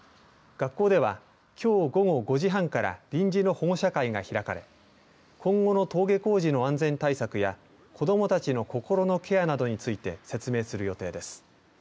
学校ではきょう午後５時半から臨時の保護者会が開かれ今後の登下校時の安全対策や子どもたちの心のケアなどについて説明する予定です。